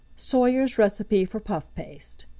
SOYER'S RECIPE FOR PUFF PASTE.